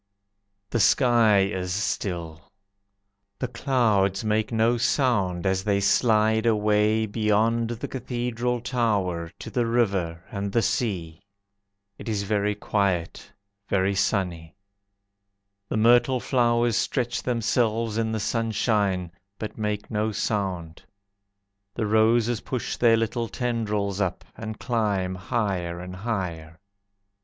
The sky is still. The clouds make no sound As they slide away Beyond the Cathedral Tower, To the river, And the sea. It is very quiet, Very sunny. The myrtle flowers stretch themselves in the sunshine, But make no sound. The roses push their little tendrils up, And climb higher and higher.